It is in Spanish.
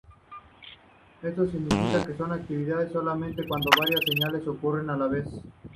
Esto significa que son activadas solamente cuando varias señales ocurren a la vez.